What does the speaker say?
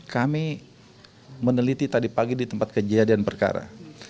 kami meneliti tadi pagi di tempat kejadian perkara